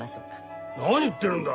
何言ってるんだ。